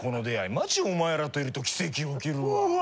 マジお前らといると奇跡起きるわ！